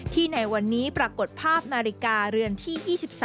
ในวันนี้ปรากฏภาพนาฬิกาเรือนที่๒๓